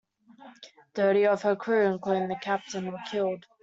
Thirty of her crew, including the captain, were killed.